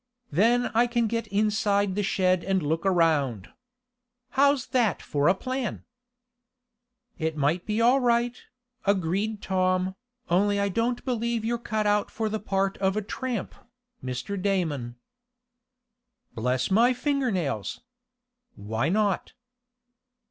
Then I can get inside the shed and look around. How's that for a plan?" "It might be all right," agreed Tom, "only I don't believe you're cut out for the part of a tramp, Mr. Damon." "Bless my fingernails! Why not?"